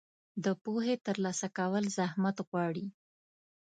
د پوهې ترلاسه کول زحمت غواړي.